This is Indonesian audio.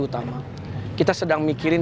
utama kita sedang mikirin